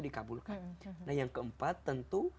dikabulkan nah yang keempat tentu